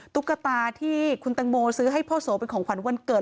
ตุ๊กตาที่คุณตังโมซื้อให้พ่อโสเป็นของขวัญวันเกิด